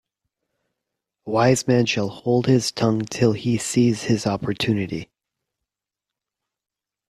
A wise man shall hold his tongue till he sees his opportunity.